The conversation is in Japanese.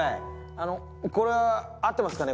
あのこれは合ってますかね